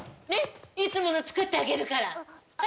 ねっいつもの作ってあげるから。